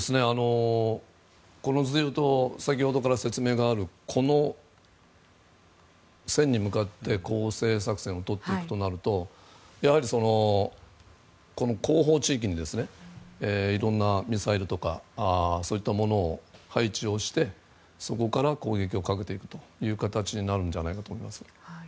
この図でいうと先ほどから説明があるこの線に向かって攻勢作戦をとっていくとなるとやはり、後方地域にいろんなミサイルとかそういったものを配置してそこから攻撃をかけていくという形になるんじゃないかと思います。